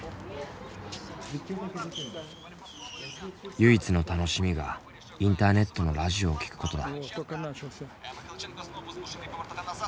唯一の楽しみがインターネットのラジオを聴くことだ。